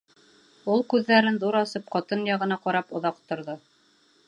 Ул күҙҙәрен ҙур асып ҡатын яғына ҡарап оҙаҡ торҙо.